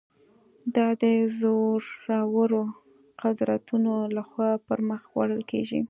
دا د زورورو قدرتونو له خوا پر مخ وړل کېږي.